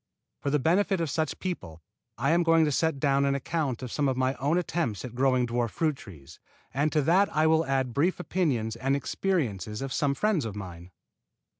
For the benefit of such people I am going to set down an account of some of my own attempts at growing dwarf fruit trees, and to that I will add brief opinions and experiences of some friends of mine.